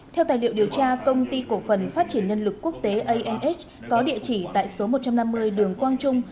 theo tài liệu điều tra công ty cổ phần phát triển nhân lực quốc tế anh có địa chỉ tại số một trăm năm mươi đường quang trung